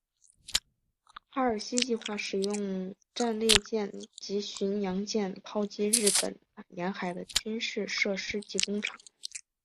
哈尔西计划使用战列舰及巡洋舰炮击日本沿海的军事设施及工厂。